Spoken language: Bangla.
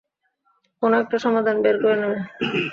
কোনো একটা সমাধান বের করে নেবে।